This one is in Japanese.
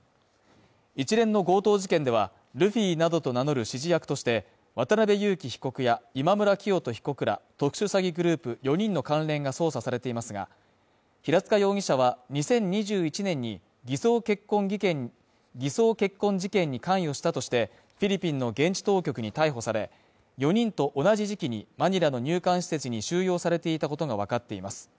一連の強盗事件では、ルフィなどと名乗る指示役として渡辺優樹被告や今村磨人被告ら特殊詐欺グループ４人の関連が捜査されていますが、平塚容疑者は、２０２１年に偽装結婚事件に関与したとして、フィリピンの現地当局に逮捕され、４人と同じ時期にマニラの入管施設に収容されていたことがわかっています。